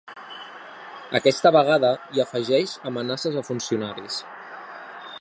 Aquesta vegada hi afegeix amenaces a funcionaris.